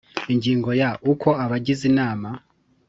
Ingingo ya uko abagize inama